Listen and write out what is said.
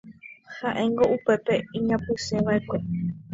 ha'éngo upépe iñapysẽva'ekue